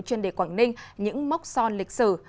chuyên đề quảng ninh những mốc son lịch sử